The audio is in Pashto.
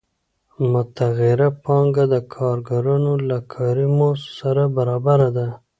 متغیره پانګه د کارګرانو له کاري مزد سره برابره ده